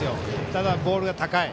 ただ、ボールが高い。